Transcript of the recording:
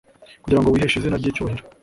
kugira ngo wiheshe izina ry’icyubahiro.